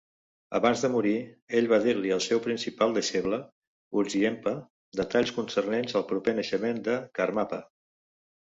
Abans de morir, ell va dir-li al seu principal deixeble, Urgyenpa, detalls concernents al proper naixement de Karmapa.